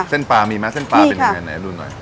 เส้นปลามีไหมเส้นปลาเป็นยังไงไหนดูหน่อย